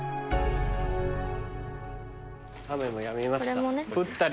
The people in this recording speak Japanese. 雨もやみました。